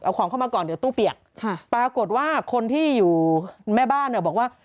เอาของเข้ามาก่อนเดี๋ยวตู้เปียกปรากฏว่าคนที่อยู่แม่บ้านเนี่ยบอกว่า